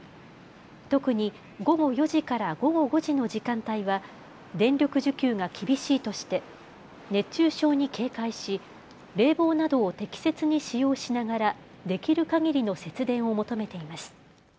特に午後４時から午後５時の時間帯は電力需給が厳しいとして熱中症に警戒し、冷房などを適切に使用しながらできるかぎりの節電を求めています。